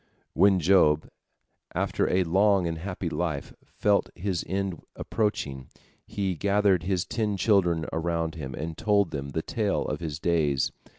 " When Job, after a long and happy life, felt his end approaching, he gathered his ten children around him, and told them the tale of his days.